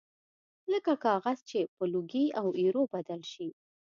لکه کاغذ چې په لوګي او ایرو بدل شي